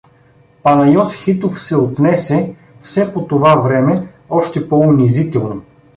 Панайот Хитов се отнесе, все по това време, още по-унизително.